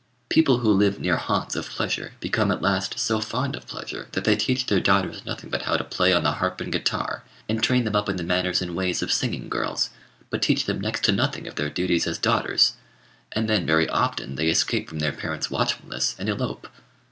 People who live near haunts of pleasure become at last so fond of pleasure, that they teach their daughters nothing but how to play on the harp and guitar, and train them up in the manners and ways of singing girls, but teach them next to nothing of their duties as daughters; and then very often they escape from their parents' watchfulness, and elope.